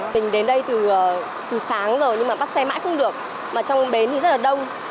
mình đến đây từ sáng rồi nhưng mà bắt xe mãi không được mà trong bến thì rất là đông